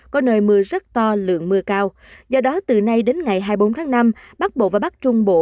có nơi mưa rất to lượng mưa cao do đó từ nay đến ngày hai mươi bốn tháng năm bắc bộ và bắc trung bộ